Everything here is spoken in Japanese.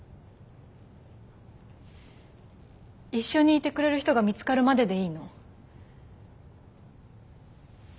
一緒にいてくれる人が見つかるまででいいの。